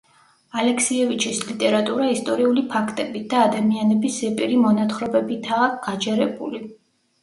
ალექსიევიჩის ლიტერატურა ისტორიული ფაქტებით და ადამიანების ზეპირი მონათხრობებითაა გაჯერებული.